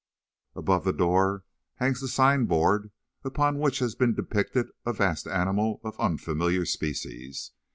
Above the door hangs the sign board, upon which has been depicted a vast animal of unfamiliar species.